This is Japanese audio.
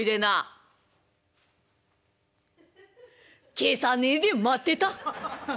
「消さねえで待ってた」。